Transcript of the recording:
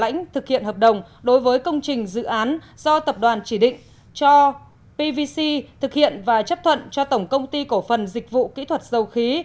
đã thực hiện hợp đồng đối với công trình dự án do tập đoàn chỉ định cho pvc thực hiện và chấp thuận cho tổng công ty cổ phần dịch vụ kỹ thuật dầu khí